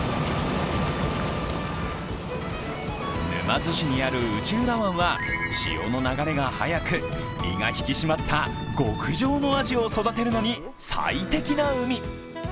沼津市にある内浦湾は潮の流れが速く身が引き締まった極上のアジを育てるのに最適な海。